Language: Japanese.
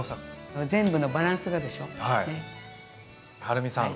はるみさん。